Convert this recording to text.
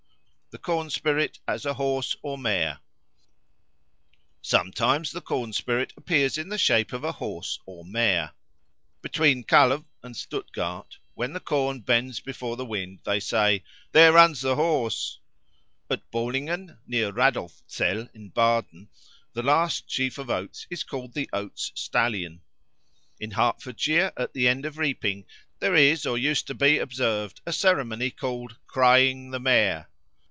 The Corn spirit as a Horse or Mare SOMETIMES the corn spirit appears in the shape of a horse or mare. Between Kalw and Stuttgart, when the corn bends before the wind, they say, "There runs the Horse." At Bohlingen, near Radolfzell in Baden, the last sheaf of oats is called the Oats stallion. In Hertfordshire, at the end of the reaping, there is or used to be observed a ceremony called "crying the Mare."